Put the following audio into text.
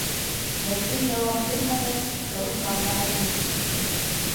Вәсим яуап бирмәгәс, тороп, ваннаға инеп китте